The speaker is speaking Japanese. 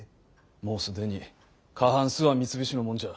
もう既に過半数は三菱のもんじゃ。